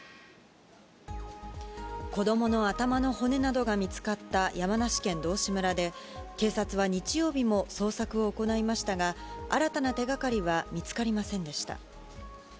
子どもの頭の骨などが見つかった山梨県道志村で、警察は日曜日も捜索を行いましたが、新たな手がかりは見つかりませんでした。